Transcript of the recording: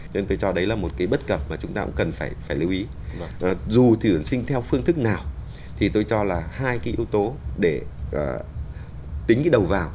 cho nên tôi cho đấy là một cái bất cập mà chúng ta cũng cần phải lưu ý dù thì tuyển sinh theo phương thức nào thì tôi cho là hai cái yếu tố để tính cái đầu vào